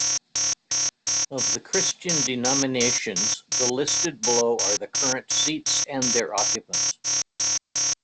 Of the Christian denominations the listed below are the current seats and their occupants.